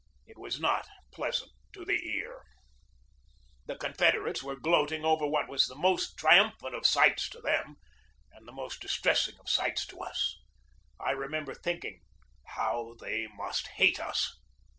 It was not pleasant to the ear. The Confederates were gloating over what was the most triumphant of sights to them and the most distressing of sights to us. I remember thinking :" How they must hate us